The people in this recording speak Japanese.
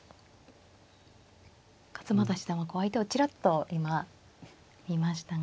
勝又七段は相手をチラッと今見ましたが。